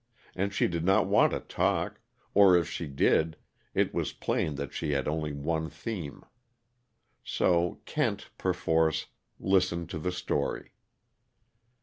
And she did not want to talk or if she did, it was plain that she had only one theme. So Kent, perforce, listened to the story.